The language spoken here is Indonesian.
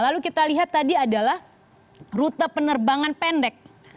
lalu kita lihat tadi adalah rute penerbangan pendek